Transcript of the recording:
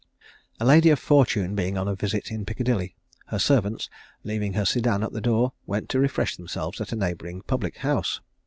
A lady of fortune being on a visit in Piccadilly, her servants, leaving her sedan at the door, went to refresh themselves at a neighbouring public house.